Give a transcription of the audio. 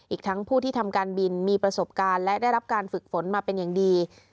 อีกทั้งผู้ที่ทำการบินมีประสบการณ์และได้รับการฝึกฝนมาเป็นอย่างดี